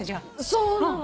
そうなの。